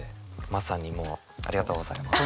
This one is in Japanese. まさにもうありがとうございます。